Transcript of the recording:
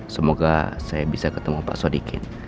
semoga saya bisa ketemu pak sodikin